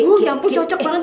wuh ya ampun cocok banget tuh